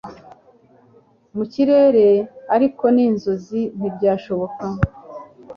Mu kirere ariko ni inzozi ntibyashoboka